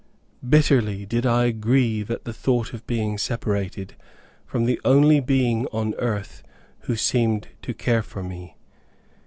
Bitterly did I grieve at the thought of being separated from the only being on earth who seemed to care for me.